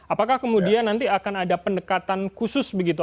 apakah kemudian nanti akan ada pendekatan khusus begitu